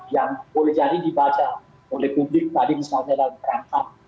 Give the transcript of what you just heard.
yang boleh jadi dibaca oleh publik tadi misalnya dalam rangka